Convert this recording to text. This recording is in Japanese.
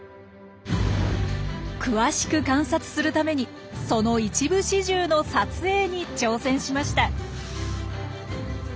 詳しく観察するためにその一部始終の撮影に挑戦しました。